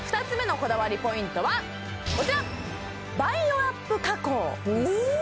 ２つ目のこだわりポイントはこちらバイオアップ？